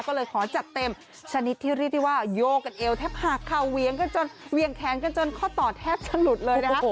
ก็เลยขอจัดเต็มชนิดที่รีดีว่าโยกกันเอวแทบหากเขาเวียงแข็งกันจนข้อต่อแทบจะหลุดเลยนะครับ